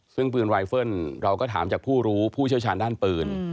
ซึ่งปืนไวเฟิลเราก็ถามจากผู้รู้ผู้เชี่ยวชาญด้านปืน